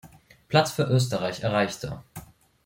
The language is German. Platz für Österreich erreichte.